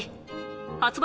発売